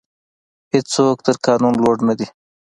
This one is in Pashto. هیڅوک تر قانون لوړ نه دی.